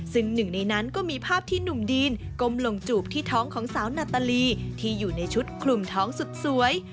ซึ่งหนึ่งในนั้นก็มีภาพที่หนุ่มดีนก้มลงจูบที่ท้องของสาวนาตาลีที่อยู่ในชุดคลุมท้องสุดสวย